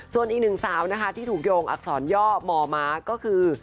ส่วนอีกหนึ่งสาวนะคะที่ถูกโยงอักษรย่อมอม้าก็คือ